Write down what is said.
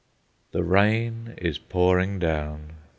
The rain is pouring down.